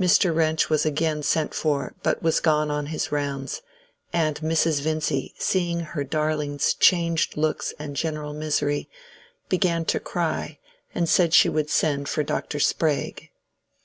Mr. Wrench was again sent for, but was gone on his rounds, and Mrs. Vincy seeing her darling's changed looks and general misery, began to cry and said she would send for Dr. Sprague.